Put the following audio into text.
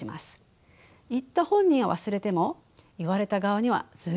言った本人は忘れても言われた側にはずっと残ります。